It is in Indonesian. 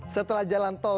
setelah jalan tol